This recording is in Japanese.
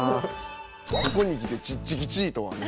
ここにきてチッチキチーとはね。